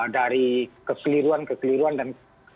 dari kekeliruan kekeliruan dan